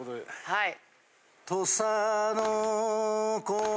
はい。